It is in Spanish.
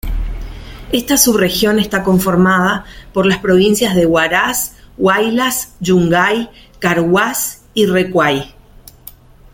Esta subregión está conformada por las provincias de Huaraz, Huaylas, Yungay, Carhuaz y Recuay.